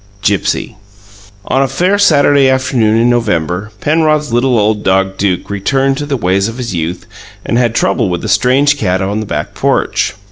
GIPSY On a fair Saturday afternoon in November Penrod's little old dog Duke returned to the ways of his youth and had trouble with a strange cat on the back porch.